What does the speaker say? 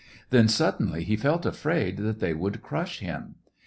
Then sud denly he felt afraid that they would crush him.